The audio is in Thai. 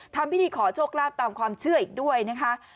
ทำพิธีขอโชคลาภตามความเชื่ออีกด้วยนะคะ